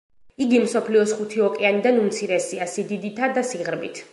იგი მსოფლიოს ხუთი ოკეანიდან უმცირესია სიდიდითა და სიღრმით.